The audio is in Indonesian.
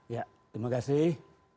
ya terima kasih